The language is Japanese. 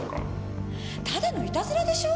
ただのいたずらでしょ？